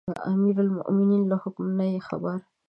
امیرالمؤمنین له حکمه نه یې خبره.